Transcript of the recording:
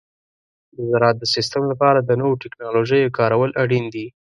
د زراعت د سیستم لپاره د نوو تکنالوژیو کارول اړین دي.